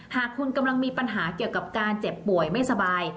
หากคุณกำลังมีปัญหาเกี่ยวกับการเจ็บป่วยไม่สบาย